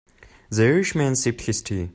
The Irish man sipped his tea.